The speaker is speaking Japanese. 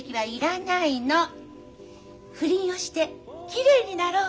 不倫をしてきれいになろう！